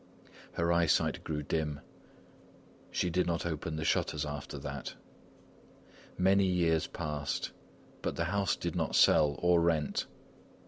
Her eyesight grew dim. She did not open the shutters after that. Many years passed. But the house did not sell or rent.